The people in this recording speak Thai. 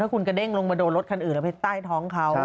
ถ้าคุณกระเด็งลงมาโดนรถอื่นจะไปใต้ท้องเขา